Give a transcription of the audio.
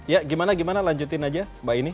ya gimana gimana lanjutin aja mbak ini